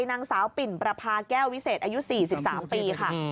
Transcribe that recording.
นางสาวปิ่นประพาแก้ววิเศษอายุ๔๓ปีค่ะ